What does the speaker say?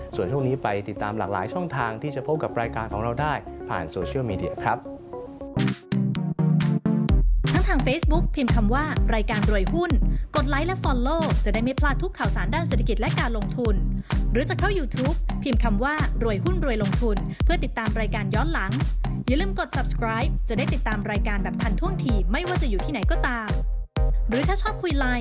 ส่วนช่วงนี้ไปติดตามหลากหลายช่องทางที่จะพบกับรายการของเราได้ผ่านโซเชียลมีเดียครับ